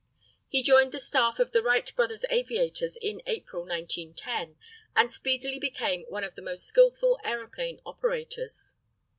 He joined the staff of the Wright Brothers' aviators in April, 1910, and speedily became one of the most skilful aeroplane operators.